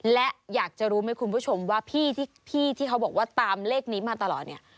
และอยากจะรู้ไหมคุณผู้ชมว่าพี่ที่เขาบอกว่าตามเลขนี้มาตลอดเนี่ย